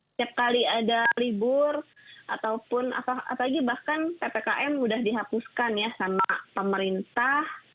setiap kali ada libur ataupun apalagi bahkan ppkm sudah dihapuskan ya sama pemerintah